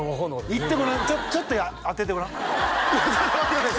言ってごらんちょっと当ててごらんいやちょっと待ってください